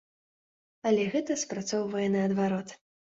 Але гэта спрацоўвае наадварот.